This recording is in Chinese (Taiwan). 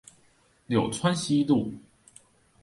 柳川西路